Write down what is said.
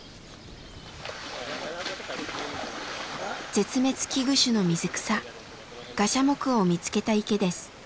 絶滅危惧種の水草ガシャモクを見つけた池です。